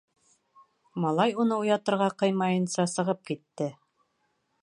Малай уны уятырға ҡыймайынса сығып китте.